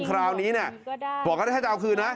คราวนี้เนี่ยบอกว่าถ้าจะเอาคืนนะ